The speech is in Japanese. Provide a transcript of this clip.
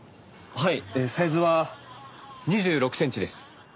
はい。